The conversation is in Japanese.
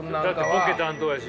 ボケ担当やし。